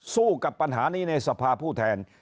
สู้กับปัญหานี้ในสภาผู้แทน